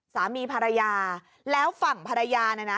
สามีภรรยาแล้วฝั่งภรรยาเนี่ยนะ